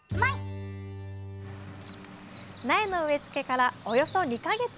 苗の植え付けからおよそ２か月。